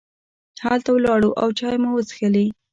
هلته ولاړو او چای مو وڅښلې.